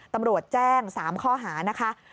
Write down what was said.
ตำรวจแจ้ง๓ข้อหานะคะ